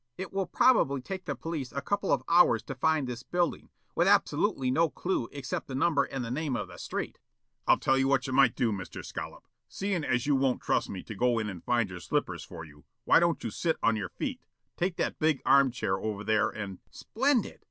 "It will probably take the police a couple of hours to find this building, with absolutely no clue except the number and the name of the street." "I'll tell you what you might do, Mr. Scollop, seein' as you won't trust me to go in and find your slippers for you. Why don't you sit on your feet? Take that big arm chair over there and " "Splendid!